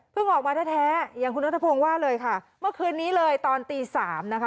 ออกมาแท้อย่างคุณนัทพงศ์ว่าเลยค่ะเมื่อคืนนี้เลยตอนตีสามนะคะ